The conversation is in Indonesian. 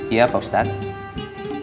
iya pak ustadz